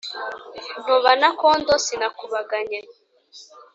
Ntoba n ' akondo sinakubaganye